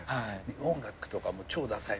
音楽とかも超ダサい。